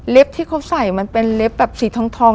ที่เขาใส่มันเป็นเล็บแบบสีทอง